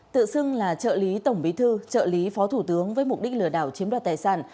tự xưng là trợ lý tổng bí thư trợ lý phó thủ tướng với mục đích lừa đảo chiếm đoạt tài sản